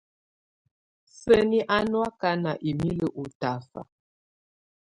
Sǝ́ni á nɔ́ ákána imilǝ́ ú tafa.